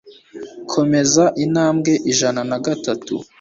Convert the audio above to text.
Komeza intambwe ijana na gatatu